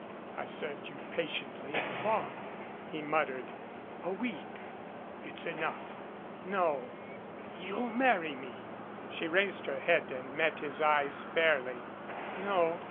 "I've served you patiently and long," he muttered. "A week." "It's enough." "No." "You'll marry me." She raised her head and met his eyes fairly. "No.